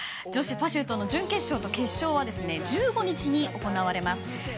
女子パシュートの準決勝と決勝は１５日に行われます。